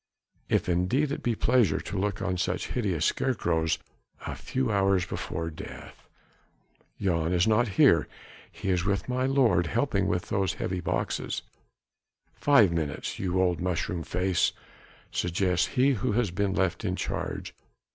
If indeed it be pleasure to look on such hideous scarecrows a few hours before death. Jan is not here. He is with my lord, helping with those heavy boxes. "Five minutes, you old mushroom face," suggests he who has been left in charge.